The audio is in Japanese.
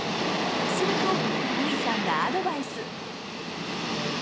すると類さんがアドバイス。